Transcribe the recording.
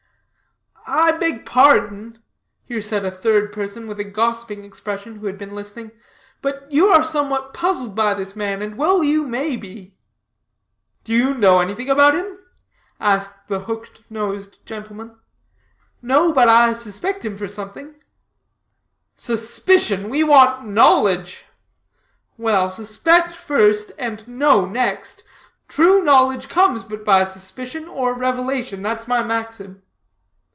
"I beg pardon," here said a third person with a gossiping expression who had been listening, "but you are somewhat puzzled by this man, and well you may be." "Do you know anything about him?" asked the hooked nosed gentleman. "No, but I suspect him for something." "Suspicion. We want knowledge." "Well, suspect first and know next. True knowledge comes but by suspicion or revelation. That's my maxim."